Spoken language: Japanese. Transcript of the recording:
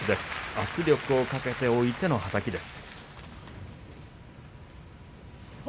圧力をかけておいてのはたきです。